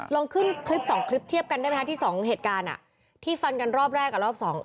ลองขึ้นคลิปสองคลิปเทียบกันได้ไหมคะที่สองเหตุการณ์อ่ะที่ฟันกันรอบแรกกับรอบสอง